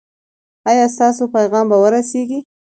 ایا ستاسو پیغام به ورسیږي؟